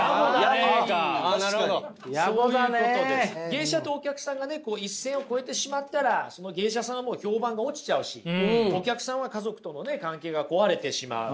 芸者とお客さんがね一線を越えてしまったらその芸者さんはもう評判が落ちちゃうしお客さんは家族とのね関係が壊れてしまう。